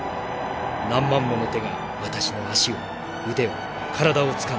何万もの手が私の足を腕を体をつかんだ。